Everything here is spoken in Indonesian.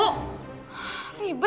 ribet ya ibu ya